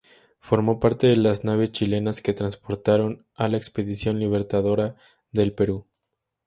Formó parte de las naves chilenas que transportaron a la Expedición Libertadora del Perú.